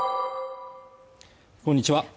こんにちは